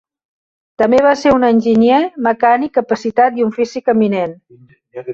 També va ser un enginyer mecànic capacitat i un físic eminent.